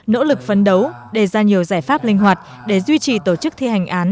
nỗ lực phấn đấu đề ra nhiều giải pháp linh hoạt để duy trì tổ chức thi hành án